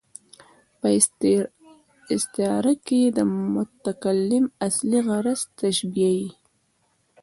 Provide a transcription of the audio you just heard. په استعاره کښي د متکلم اصلي غرض تشبېه يي.